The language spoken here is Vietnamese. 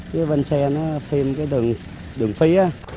chứ bên xe nó phim cái đường phí